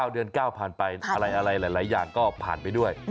เดือน๙ผ่านไปอะไรหลายอย่างก็ผ่านไปด้วย